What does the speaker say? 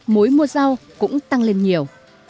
mối mua rau cũng tăng lên nhiều